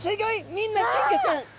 みんな金魚ちゃん。